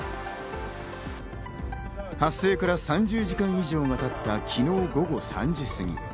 発生から３０時間以上が経った昨日午後３時すぎ。